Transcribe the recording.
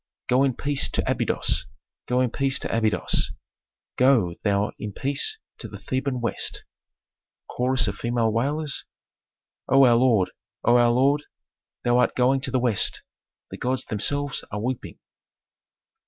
_ "Go in peace to Abydos! Go in peace to Abydos! Go thou in peace to the Theban West!" Chorus of female wailers. "O our lord, O our lord, thou art going to the West, the gods themselves are weeping."